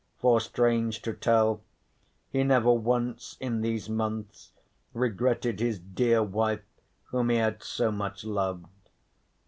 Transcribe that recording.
For strange to tell he never once in these months regretted his dear wife whom he had so much loved.